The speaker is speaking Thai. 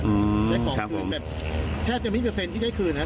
อืมครับผมแค่จะมีเฟรนท์ที่ได้คืนครับ